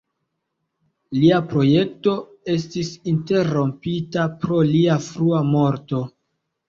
Lia projekto estis interrompita pro lia frua morto.